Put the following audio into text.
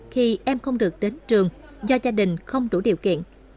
khi em không được đến trường do gia đình không đủ điều kiện